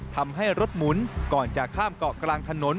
ทำให้รถหมุนก่อนจะข้ามเกาะกลางถนน